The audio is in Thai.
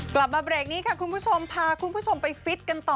กลับมาเบรกนี้ค่ะคุณผู้ชมพาคุณผู้ชมไปฟิตกันต่อ